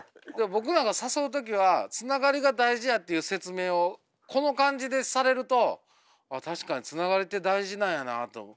僕なんか誘う時はつながりが大事やっていう説明をこの感じでされるとあっ確かにつながりって大事なんやなと。